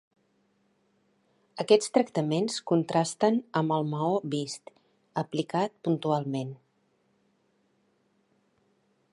Aquests tractaments contrasten amb el maó vist, aplicat puntualment.